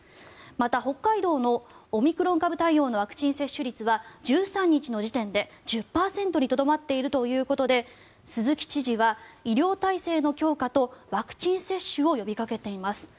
また、北海道のオミクロン株対応のワクチン接種率は１３日の時点で１０％にとどまっているということで鈴木知事は医療体制の強化とワクチン接種を呼びかけています。